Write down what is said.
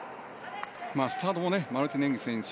スタートもマルティネンギ選手